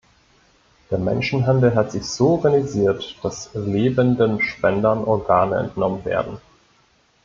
Der Menschenhandel hat sich so organisiert, dass lebenden Spendern Organe entnommen werden.